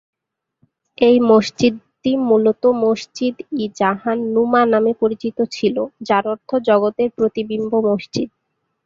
এই মসজিদটি মূলত "মসজিদ-ই জাহান-নুমা" নামে পরিচিত ছিল, যার অর্থ 'জগতের প্রতিবিম্ব মসজিদ'।